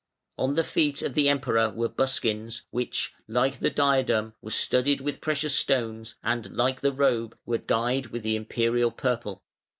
On the feet of the Emperor were buskins which, like the diadem, were studded with precious stones, and like the robe were dyed with the Imperial purple.